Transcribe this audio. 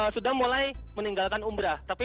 sudah mulai meninggalkan umrah